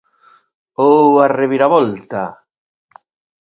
Ou a reviravolta.